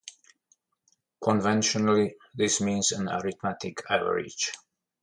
Conventionally, this means an arithmetic average.